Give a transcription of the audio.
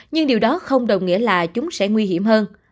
nhưng điều đó không đồng nghĩa là chúng sẽ nguy hiểm hơn